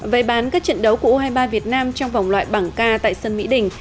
về bán các trận đấu của u hai mươi ba việt nam trong vòng loại bảng k tại sân mỹ đình